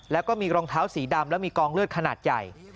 แล้วก็มีรองเท้าสีดำแล้วมีกองเลือดขนาดใหญ่